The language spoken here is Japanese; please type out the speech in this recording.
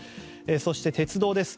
そして、鉄道です。